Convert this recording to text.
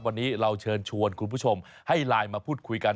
วันนี้เราเชิญชวนคุณผู้ชมให้ไลน์มาพูดคุยกัน